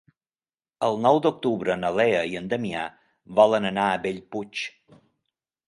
El nou d'octubre na Lea i en Damià volen anar a Bellpuig.